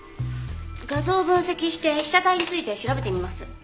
画像を分析して被写体について調べてみます。